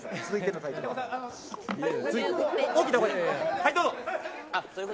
はい、どうぞ。